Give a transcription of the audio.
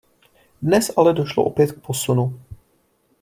Dnes ale došlo opět k posunu.